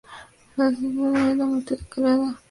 Eres el dueño de un ámbito cerrado como un sueño.